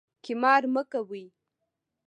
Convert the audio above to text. قمار مه کوئ